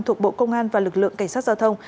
thuộc bộ công an và lực lượng cảnh sát giao thông